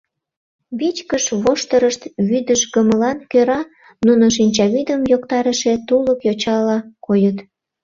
Вичкыж воштырышт вӱдыжгымылан кӧра нуно шинчавӱдым йоктарыше тулык йочала койыт.